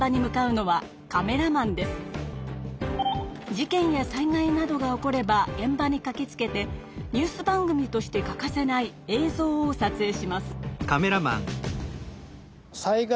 事件や災害などが起これば現場にかけつけてニュース番組として欠かせない映像をさつえいします。